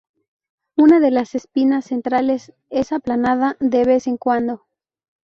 Una de las espinas centrales es aplanada de vez en cuando.